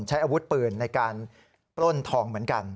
ใช้อาวุธปืนในการปล้นทองเหมือนกัน